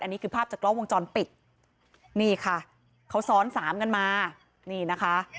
อันนี้คือภาพจากกล้องวงจรปิดนี่ค่ะเขาซ้อนสามกันมานี่นะคะ